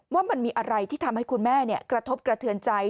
ว่ามันมีอะไรที่ทำให้คุณแม่กระทบกระเทือนใจ